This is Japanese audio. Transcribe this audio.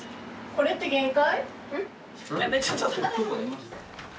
これって限界？